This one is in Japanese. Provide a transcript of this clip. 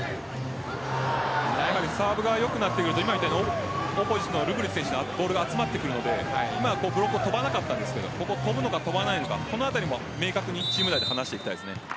サーブがよくなってくると今みたいにオポジットのルブリッチ選手にボールが集まってくるのでブロック、跳ばなかったんですが跳ぶのか跳ばないのかこのあたりも明確にチーム内で話していきたいですね。